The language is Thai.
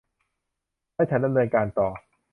และฉันดำเนินการต่อ